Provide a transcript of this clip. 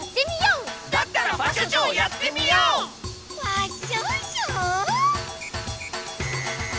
ファッションショー？